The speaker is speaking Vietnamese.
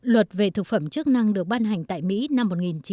luật về thực phẩm chức năng được ban hành tại mỹ năm một nghìn chín trăm chín mươi bốn